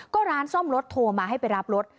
ก็ร้านซ่อมรถโทรมาให้ไปรับรถ